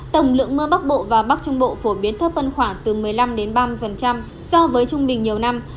tổng lượng mưa bắc bộ và bắc trung bộ phổ biến thấp hơn khoảng từ một mươi năm ba mươi so với trung bình nhiều năm